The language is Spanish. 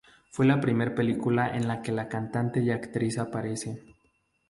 Fue la primera película en la que la cantante y actriz aparece.